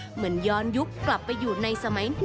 เหมือนย้อนยุคกลับไปอยู่ในสมัย